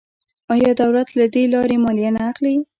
آیا دولت له دې لارې مالیه نه اخلي؟